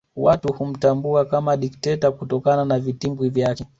Watu humtambua kama dikteta kutokana na vitibwi vyake